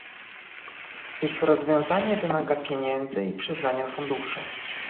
Ich rozwiązanie wymaga pieniędzy i przyznania funduszy